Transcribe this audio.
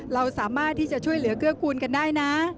เราสามารถที่จะช่วยเหลือเกื้อกูลกันได้นะ